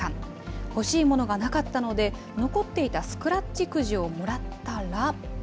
欲しいものがなかったので、残っていたスクラッチくじをもらったら。